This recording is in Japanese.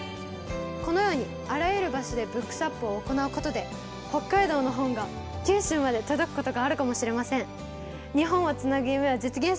このようにあらゆる場所でＢｏｏｋｓｗａｐを行うことで北海道の本が九州まで届くことがあるかもしれません。